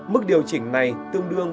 mức điều chỉnh này tương đương